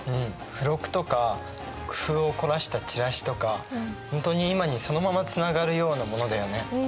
付録とか工夫を凝らしたチラシとか本当に今にそのままつながるようなものだよね。